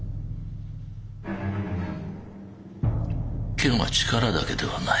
剣は力だけではない。